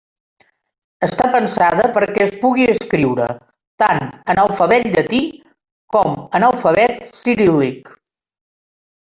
Està pensada perquè es pugui escriure tant en alfabet llatí com en alfabet ciríl·lic.